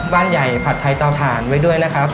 บ้านใหญ่อากระดับภาษาไทยต่อผ่านไว้ด้วยนะครับ